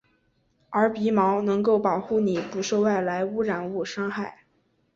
而鼻毛能够保护你不受外来污染物伤害。